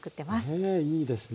ねえいいですね。